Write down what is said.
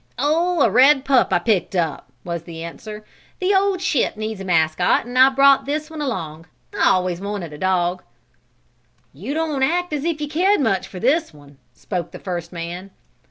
"Oh, a red pup I picked up," was the answer. "The old ship needs a mascot and I brought this one along. I always wanted a dog." "You don't act as if you cared much for this one," spoke the first man.